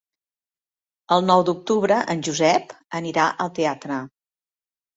El nou d'octubre en Josep anirà al teatre.